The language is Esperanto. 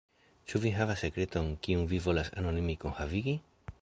Ĉu vi havas sekreton, kiun vi volas anonime kunhavigi?